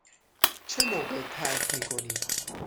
چه موقع ترک می کنیم؟